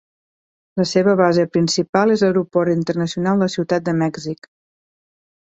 La seva base principal és l'aeroport internacional de la ciutat de Mèxic.